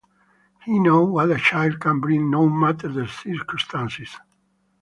We know what a child can bring, no matter the circumstances.